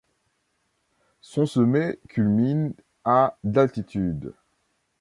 Son sommet culmine à d'altitude.